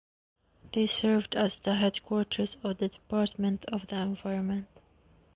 They served as the headquarters of the Department of the Environment.